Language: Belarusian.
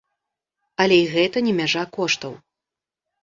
Але і гэта не мяжа коштаў.